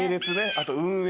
あと運営。